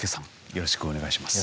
よろしくお願いします。